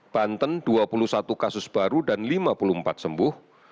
banten dua puluh satu kasus baru dan lima puluh empat sembuh